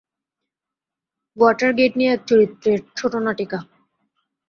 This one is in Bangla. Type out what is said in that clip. ওয়াটারগেইট নিয়ে এক চরিত্রের ছোট নাটিকা।